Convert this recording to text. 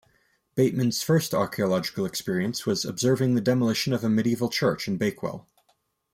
Bateman's first archaeological experience was observing the demolition of a medieval church in Bakewell.